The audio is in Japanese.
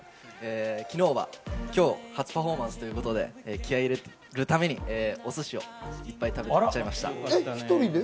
昨日は今日、初パフォーマンスということで気合いを入れるためにお寿司をいっぱい食べちゃいました。